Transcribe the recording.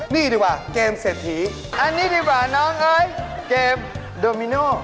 นี่ดีกว่าเกมเศรษฐีอันนี้ดีกว่าน้องเอ๋ยเกมโดมิโน